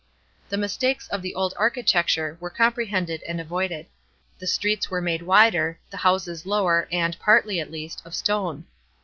The mi st ikes of the old archi tecture were comprehended and avoided. The streets were made wider, the houses lower and, partly at least, of stone.